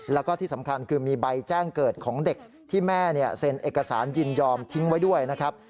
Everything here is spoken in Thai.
แล้วก็ที่สำคัญคือมีใบแจ้งเกิดของเด็กที่แม่เซ็นเอกสารยินยอมทิ้งไว้ด้วยนะครับ